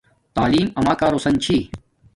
تعلیم اما کارو سن چھی